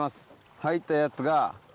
入ったやつが。